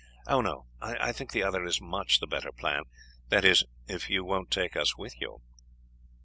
Oh, no; I think the other is much the better plan that is if you won't take us with you."